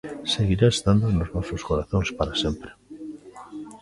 Seguirá estando nos nosos corazóns para sempre.